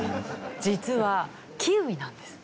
実はキウイなんです。